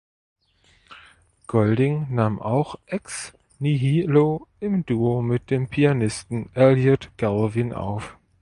Golding nahm auch "Ex Nihilo" im Duo mit dem Pianisten Elliot Galvin auf.